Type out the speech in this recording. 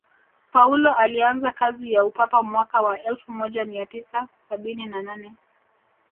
paulo alianza kazi ya upapa mwaka wa elfu moja mia tisa sabini na nane